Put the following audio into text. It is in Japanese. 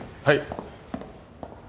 はい。